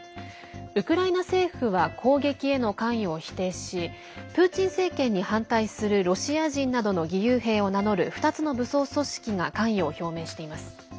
ウクライナ政府は攻撃への関与を否定しプーチン政権に反対するロシア人などの義勇兵を名乗る２つの武装組織が関与を表明しています。